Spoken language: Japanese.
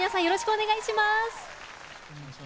お願いします。